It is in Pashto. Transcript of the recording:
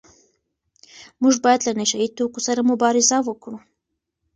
موږ باید له نشه يي توکو سره مبارزه وکړو.